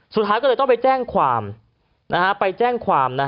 สุดท้ายก็เลยต้องไปแจ้งความ